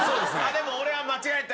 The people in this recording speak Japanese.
でも俺は間違えない